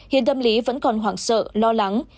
hiện tâm lý vẫn còn hoảng sợ lo lắng